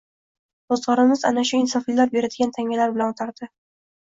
Roʻzgʻorimiz ana shu insoflilar beradigan tangalar bilan oʻtardi